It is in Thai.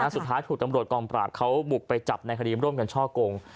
สุดท้ายถูกตำรวจกองปราบเขาบุกไปจับในคดีร่วมกันช่อกง